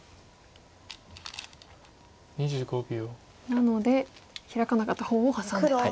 なのでヒラかなかった方をハサんでと。